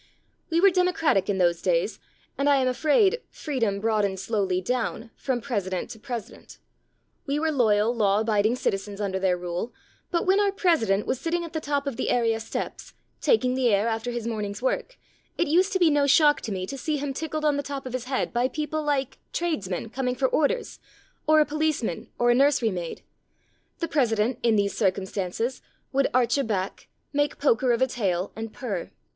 We were democratic in those days, and I am afraid "freedom broadened slowly down " from president to president. We were loyal, law abiding citizens under their rule, but when our president was sitting at the top of the area steps, taking the air after his morning's work, it used to be no shock to me to see him tickled on the top of his head by people like tradesmen coming for orders, or a policeman or a nursery maid. The president, in these circum stances, would arch a back, make poker of a tail, and purr.